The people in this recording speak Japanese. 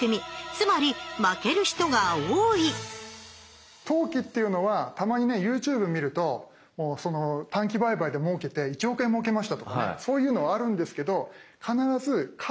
つまり負ける人が多い投機っていうのはたまにねＹｏｕＴｕｂｅ見ると短期売買でもうけて１億円もうけましたとかね